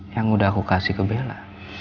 yang udah aku kasih ke bella